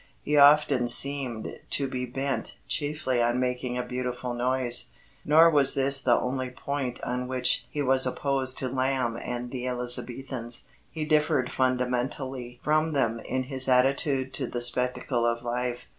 He often seemed to be bent chiefly on making a beautiful noise. Nor was this the only point on which he was opposed to Lamb and the Elizabethans. He differed fundamentally from them in his attitude to the spectacle of life.